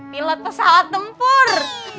pilot pesawat tempur